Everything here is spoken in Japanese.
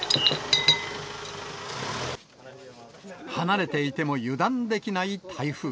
離れていても油断できない台風。